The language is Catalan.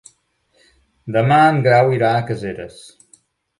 Demà en Grau irà a Caseres.